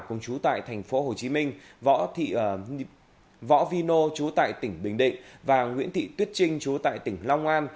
cùng chú tại thành phố hồ chí minh võ vy nô chú tại tỉnh bình định và nguyễn thị tuyết trinh chú tại tỉnh long an